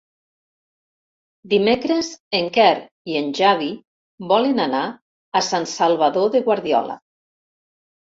Dimecres en Quer i en Xavi volen anar a Sant Salvador de Guardiola.